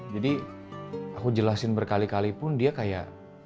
jadi aku jelasin berkali kali pun dia kayak